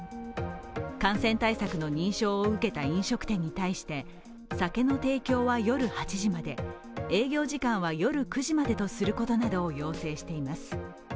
感染対策の認証を受けた飲食店に対して酒の提供は夜８時まで営業時間は夜９時までとすることなどを要請しています。